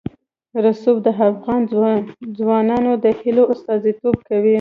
رسوب د افغان ځوانانو د هیلو استازیتوب کوي.